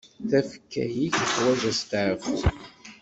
Tafekka-ik teḥwaǧ asteɛfu.